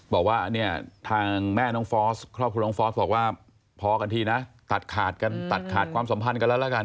บอกว่าเนี่ยทางแม่น้องฟอสครอบครัวน้องฟอสบอกว่าพอกันทีนะตัดขาดกันตัดขาดความสัมพันธ์กันแล้วแล้วกัน